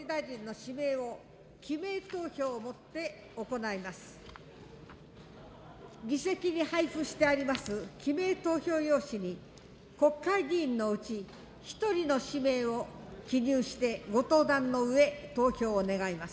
記名投票用紙に、国会議員のうち１人の氏名を記入してご登壇のうえ、投票を願います。